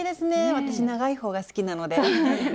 私長いほうが好きなので。